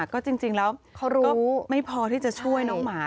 ก็จริงแล้วก็ไม่พอที่จะช่วยน้องหมา